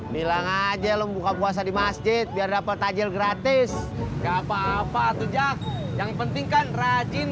nilang aja lo buka puasa di masjid biar dapat tajil gratis gapapa tujak yang pentingkan rajin